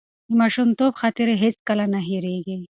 د ماشومتوب خاطرې هیڅکله نه هېرېږي.